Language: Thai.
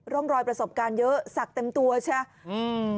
ร่องรอยประสบการณ์เยอะสักเต็มตัวใช่ไหมอืม